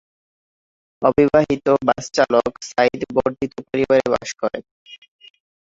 অবিবাহিত বাস চালক সাইদ বর্ধিত পরিবারে বাস করে।